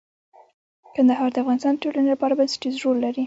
کندهار د افغانستان د ټولنې لپاره بنسټيز رول لري.